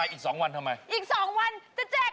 กับกิจกรรมบาวแน่นช่วยคนไทยสร้างอาชีพปีสอง